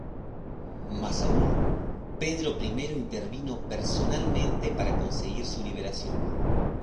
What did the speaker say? Más aún, Pedro I intervino personalmente para conseguir su liberación.